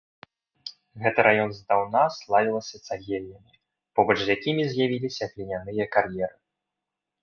Гэты раён здаўна славілася цагельнямі, побач з якімі з'явіліся гліняныя кар'еры.